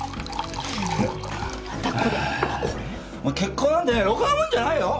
もう結婚なんてねろくなもんじゃないようん。